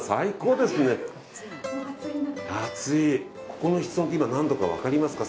ここの室温って今、何度か分かりますか？